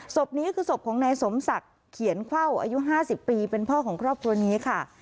ศพนี้คือศพของนายสมศักดิ์เขียนเข้าอายุ๕๐ปีเป็นพ่อของครอบครัวนี้ค่ะ